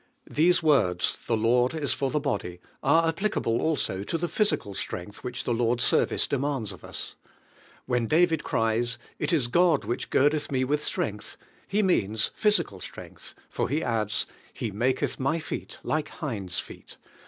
Those words, "The Lord is foir the body," are applicable also to the physical strength which the Lord's service de kivhte iitauHa. (55 mauds of us. When David cries, "It is God which girdeth me with strength," he means physical strength, for lie adds: "He makefk my feet like hind's feet